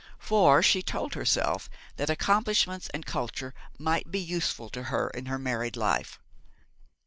For she told herself that accomplishments and culture might be useful to her in her married life.